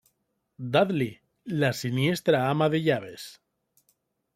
Dudley, la siniestra ama de llaves.